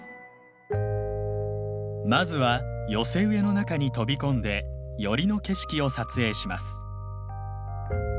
まずは寄せ植えの中に飛び込んで寄りの景色を撮影します。